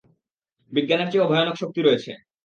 বিজ্ঞানের চেয়েও ভয়ানক শক্তি রয়েছে।